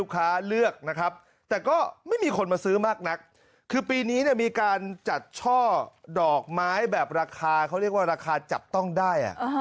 คือปีนี้มีการจัดช่อดอกไม้แบบเขาเรียกว่าราคาจับต้องได้